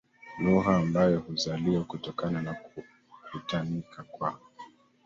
lugha ambayo huzaliwa kutokana na kukutanika kwa